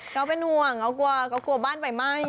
เก้าเป็นห่วงเก้ากลัวบ้านไปไหม้